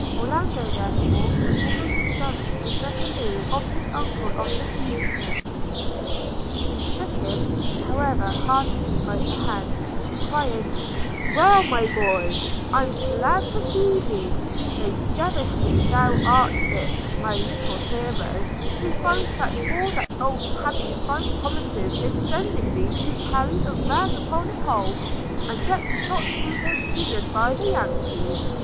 Orlando, therefore, was almost stunned with the halloo of his uncle on receiving him: he shook him, however, heartily by the hand, crying – 'Well, my boy! I'm glad to see thee: though devilishly thou art bit, my little hero, to find that all that old Tabby's fine promises end in sending thee to carry a rag upon a pole, and get shot through the gizzard by the Yankies.